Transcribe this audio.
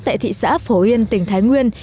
tại thị xã phổ yên tỉnh thái nguyên